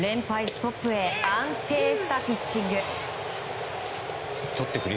ストップへ安定したピッチング。